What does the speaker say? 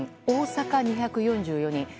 大阪、２４４人